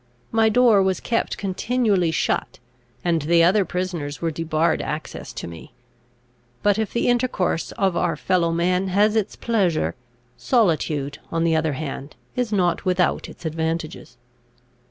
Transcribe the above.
My door was kept continually shut, and the other prisoners were debarred access to me; but if the intercourse of our fellow men has its pleasure, solitude, on the other hand, is not without its advantages.